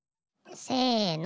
せの。